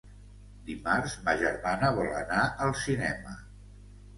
Dimarts ma germana vol anar al cinema.